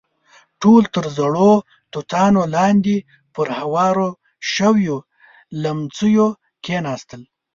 ټول تر زړو توتانو لاندې پر هوارو شويو ليمڅيو کېناستل.